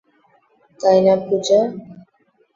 তাই না পূজা?